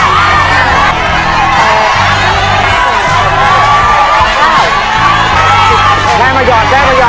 แม่มันหย่อนแม่มันหย่อน